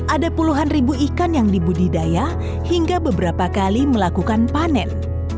ada puluhan ribu ikan yang dibudidaya hingga beberapa kali melakukan panen